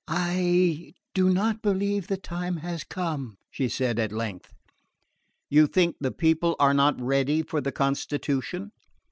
"I do not believe the time has come," she said at length. "You think the people are not ready for the constitution?"